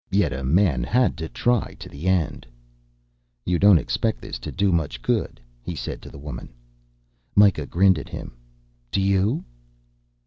Yet, a man had to try to the end. "You don't expect this to do much good," he said to the woman. Myka grinned at him. "Do you?"